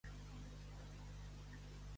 Amb tothom ser agradós, mai superbiós.